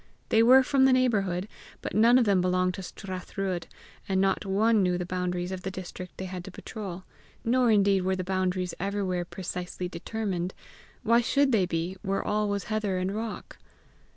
They were from the neighbourhood, but none of them belonged to Strathruadh, and not one knew the boundaries of the district they had to patrol; nor indeed were the boundaries everywhere precisely determined: why should they be, where all was heather and rock?